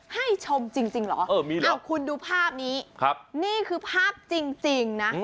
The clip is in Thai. ให้ชมจริงเหรอเอาคุณดูภาพนี้นี่คือภาพจริงนะ